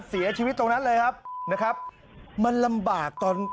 เสียชีวิตตรงนั้นเลยครับนะครับมันลำบากตอน